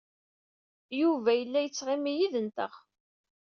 Yuba yella yettɣimi yid-nteɣ.